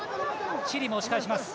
チリも押し返します。